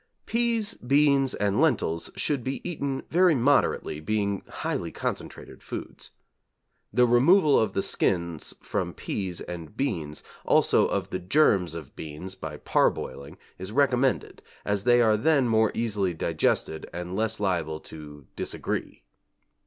Peas, beans, and lentils should be eaten very moderately, being highly concentrated foods. The removal of the skins from peas and beans, also of the germs of beans, by parboiling, is recommended, as they are then more easily digested and less liable to 'disagree.'